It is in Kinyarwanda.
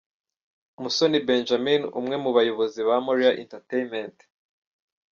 Musoni Benjamin umwe mu bayobozi ba Moriah Entertainment.